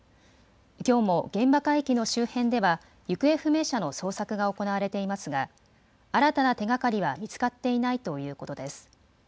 きょうも現場海域の周辺では行方不明者の捜索が行われていますが新たな手がかりは見つかっていないということです。